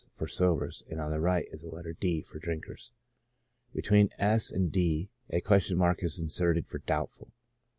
for sobers, and on the right is the letter D. for drinkers. Between S. and D. a } is inserted for doubtful.